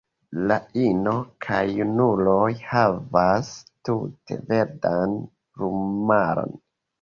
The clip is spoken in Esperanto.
La ino kaj junuloj havas tute verdan plumaron.